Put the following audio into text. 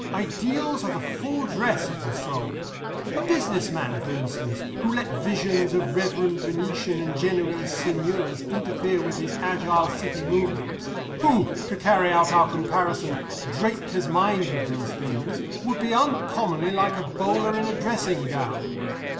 Ideals are the full dress of the soul. A business man, for instance, who let visions of reverend Venetian and Genoese seigniors interfere with his agile City movements who, to carry out our comparison, draped his mind with these things would be uncommonly like a bowler in a dressing gown.